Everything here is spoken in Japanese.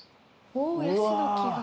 おおヤシの木が。え？